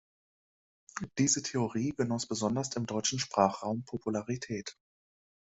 Diese Theorie genoss besonders im deutschen Sprachraum Popularität.